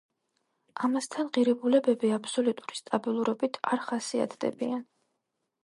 ამასთან ღირებულებები აბსოლუტური სტაბილურობით არ ხასიათდებიან.